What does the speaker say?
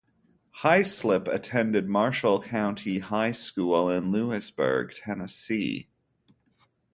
Haislip attended Marshall County High School in Lewisburg, Tennessee.